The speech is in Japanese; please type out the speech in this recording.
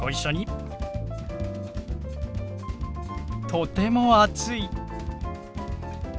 とても暑い。